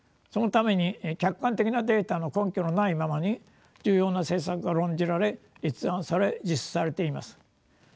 そのために客観的なデータの根拠のないままに重要な政策が論じられ立案され実施されています。